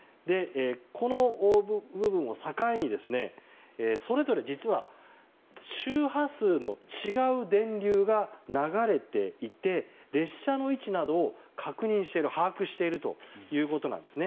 この部分を境にそれぞれ実は周波数の違う電流が流れていて、列車の位置などを確認・把握しているということです。